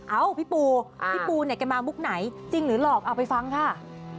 พี่ปูพี่ปูเนี่ยแกมามุกไหนจริงหรือหลอกเอาไปฟังค่ะ